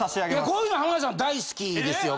こういうの浜田さん大好きですよ。